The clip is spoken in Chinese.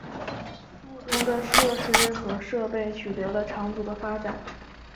附中的设施和设备取得了长足的发展。